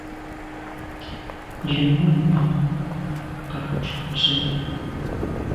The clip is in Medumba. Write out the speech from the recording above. Njen mo’ bàm nkàb ntshu ntse.